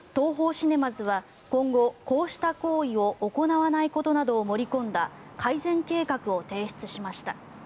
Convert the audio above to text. シネマズは今後、こうした行為を行わないことなどを盛り込んだ改善計画を提出しました。